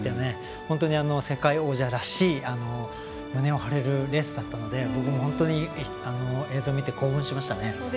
本当に世界王者らしい胸を張れるレースだったので映像を見て興奮しました。